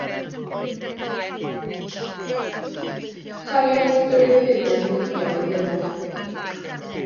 Toriad drwy'r bilen ludiog ddynol.